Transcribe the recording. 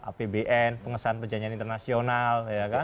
apbn pengesahan perjanjian internasional